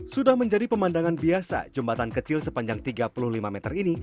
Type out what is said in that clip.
sudah menjadi pemandangan biasa jembatan kecil sepanjang tiga puluh lima meter ini